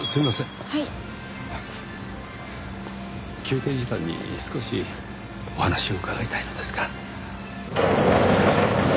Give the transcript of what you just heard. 休憩時間に少しお話を伺いたいのですが。